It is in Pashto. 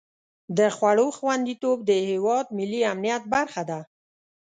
د خوړو خوندیتوب د هېواد ملي امنیت برخه ده.